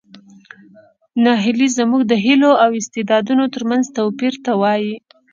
ناهیلي زموږ د هیلو او استعدادونو ترمنځ توپیر ته وایي.